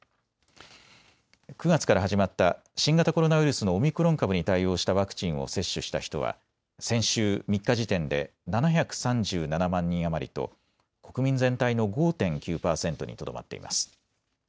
９月から始まった新型コロナウイルスのオミクロン株に対応したワクチンを接種した人は先週３日時点で７３７万人余りと国民全体の５．９％にとどまっています。